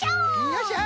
よっしゃ。